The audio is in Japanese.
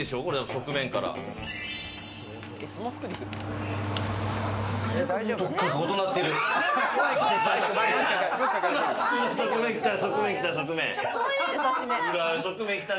側面きた！